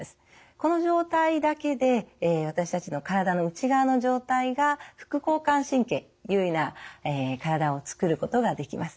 この状態だけで私たちの体の内側の状態が副交感神経優位な体を作ることができます。